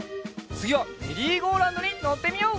つぎはメリーゴーラウンドにのってみよう！